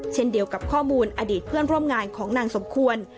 เช่นเดียวกับข้อมูลอดีตเพื่อนร่วมงานของนางสมควร